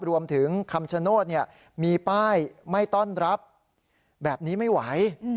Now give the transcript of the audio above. รวมถึงคำชโนธมีป้ายไม่ต้อนรับแบบนี้ไม่ไหว